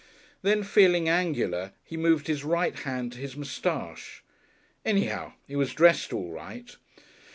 Then, feeling angular, he moved his right hand to his moustache. Anyhow, he was dressed all right.